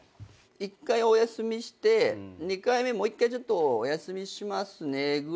１回お休みして２回目もう一回ちょっとお休みしますねぐらい。